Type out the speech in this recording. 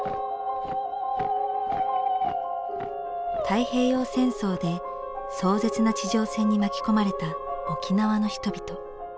太平洋戦争で壮絶な地上戦に巻き込まれた沖縄の人々。